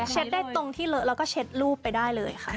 เช็ดได้ตรงที่เลอะก็เช็ดรูปไปได้เลย